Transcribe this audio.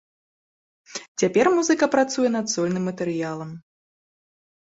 Цяпер музыка працуе над сольным матэрыялам.